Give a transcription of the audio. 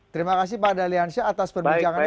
terima kasih pak daliansyah atas perbincangannya